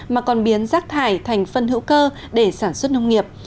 mà còn biến rác thải thành phân hữu cơ để sản xuất nông nghiệp